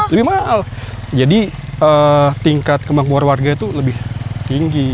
lebih mahal jadi tingkat kembang keluarga itu lebih tinggi